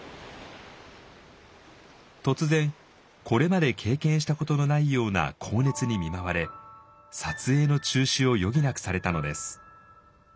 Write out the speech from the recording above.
突然これまで経験したことのないような高熱に見舞われ撮影の中止を余儀なくされたのです。